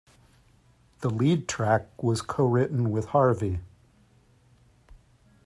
The lead track was co-written with Harvey.